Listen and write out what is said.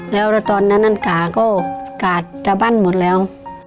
แล้วตอนนั้นขาก็กาดตระบันหมดแล้ว